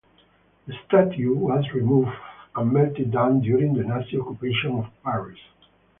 The statue was removed and melted down during the nazi occupation of Paris.